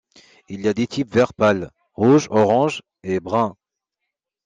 Il y a des types vert pâle, rouge-orange et bruns.